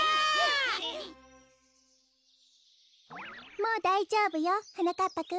もうだいじょうぶよはなかっぱくん。